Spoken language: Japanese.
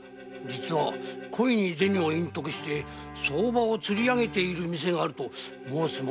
実は故意に銭を隠して相場を釣り上げている店があるとか。